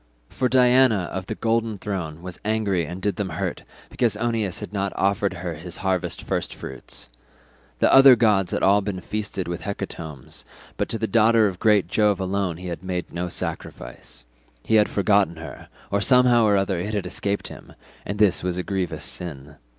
For Diana of the golden throne was angry and did them hurt because Oeneus had not offered her his harvest first fruits. The other gods had all been feasted with hecatombs, but to the daughter of great Jove alone he had made no sacrifice. He had forgotten her, or somehow or other it had escaped him, and this was a grievous sin.